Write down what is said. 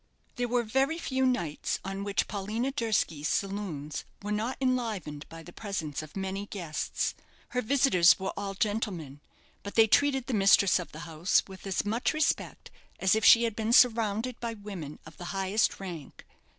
There were very few nights on which Paulina Durski's saloons were not enlivened by the presence of many guests. Her visitors were all gentlemen; but they treated the mistress of the house with as much respect as if she had been surrounded by women of the highest rank.